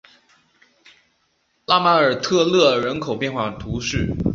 拉马尔特勒人口变化图示